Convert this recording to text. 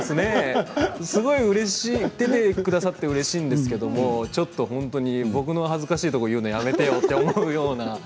すごくうれしい、出てくださって、うれしいですけどちょっと僕の恥ずかしいところ言うのをやめてよと、いうような。